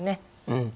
うん。